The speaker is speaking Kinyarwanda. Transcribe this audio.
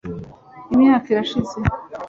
Imyaka irashize